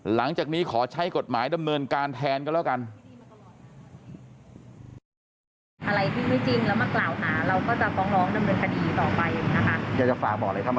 หลังจากนี้ขอใช้กฎหมายดำเนินการแทนก็แล้วกัน